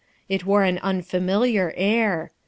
It wore an unfamiliar air.